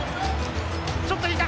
ちょっと引いた。